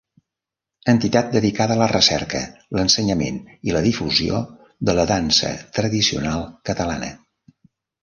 Entitat dedicada a la recerca, l'ensenyament i la difusió de la dansa tradicional catalana.